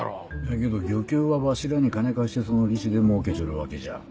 やけど漁協はわしらに金貸してその利子で儲けちょるわけじゃ。